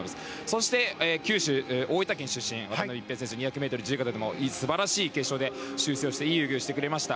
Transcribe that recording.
そして九州・大分県出身渡辺一平選手２００ｍ自由形でも素晴らしい、決勝で修正をしていい泳ぎをしてくれました。